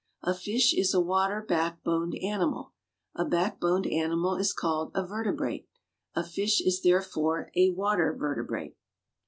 A fish is a water backboned animal. A backboned animal is called a vertebrate. A fish is therefore a water vertebrate.